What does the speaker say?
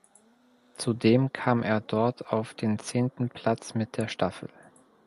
Zudem kam er dort auf den zehnten Platz mit der Staffel.